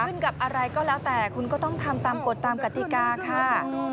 ขึ้นกับอะไรก็แล้วแต่คุณก็ต้องทำตามกฎตามกติกาค่ะ